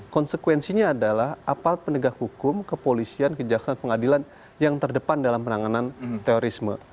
konsekuensinya adalah apal penegak hukum kepolisian kejaksaan pengadilan yang terdepan dalam penanganan terorisme